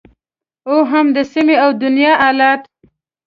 او هم د سیمې او دنیا حالت